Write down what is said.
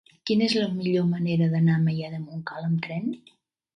Quina és la millor manera d'anar a Maià de Montcal amb tren?